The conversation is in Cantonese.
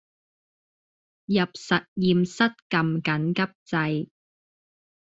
入實驗室㩒緊急掣